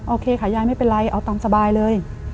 โอเคค่ะยายไม่เป็นไรเอาตามสบายเลย